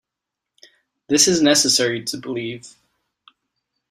This is necessary to believe.